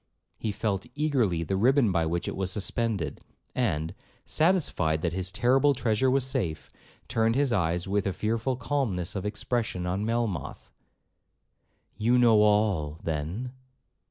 He felt eagerly the ribbon by which it was suspended, and, satisfied that his terrible treasure was safe, turned his eyes with a fearful calmness of expression on Melmoth, 'You know all, then?'